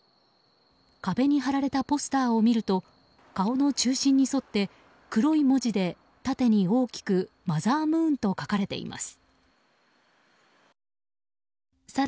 壁に貼られたポスターを見ると顔の中心に沿って黒い文字で縦に大きく「マザームーン」と書かれています。